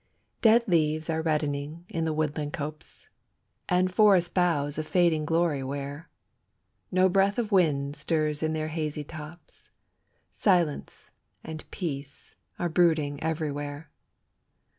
Dead leaves are reddening in the woodland copse, And forest boughs a fading glory wear; No breath of wind stirs in their hazy tops, Silence and peace are brooding everywhere.